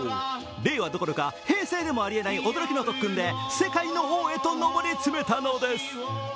令和どころか平成でもありえない驚きの特訓で世界の王へと上り詰めたのです。